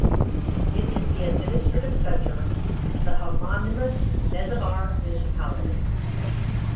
It is the administrative centre of the homonymous Nesebar Municipality.